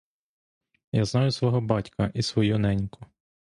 Я знаю свого батька і свою неньку.